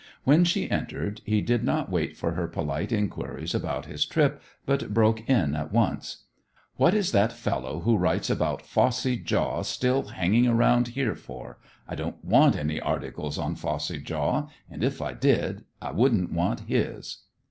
When she entered, he did not wait for her polite inquiries about his trip, but broke in at once. "What is that fellow who writes about phossy jaw still hanging round here for? I don't want any articles on phossy jaw, and if I did, I wouldn't want his."